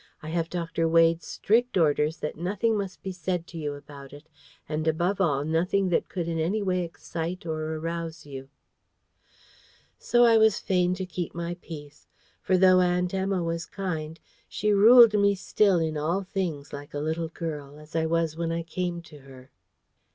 I have Dr. Wade's strict orders that nothing must be said to you about it, and above all nothing that could in any way excite or arouse you." So I was fain to keep my peace; for though Aunt Emma was kind, she ruled me still in all things like a little girl, as I was when I came to her.